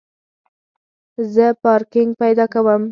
زه پارکینګ پیدا کوم